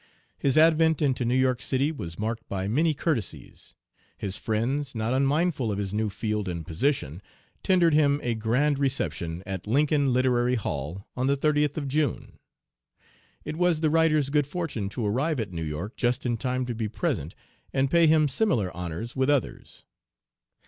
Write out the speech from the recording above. His advent into New York City was marked by many courtesies. His friends, not unmindful of his new field and position, tendered him a grand reception at Lincoln Literary Hall on the 30th of June. It was the writer's good fortune to arrive at New York just in time to be present and pay him similar honors with others.